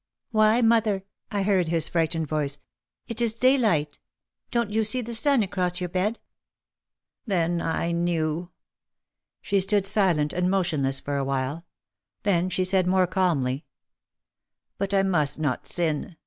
" 'Why, mother/ I heard his frightened voice, 'it is daylight. Don't you see the sun across your bed ?' Then I knew." She stood silent and motionless for a while. Then she said more calmly, "But I must not sin.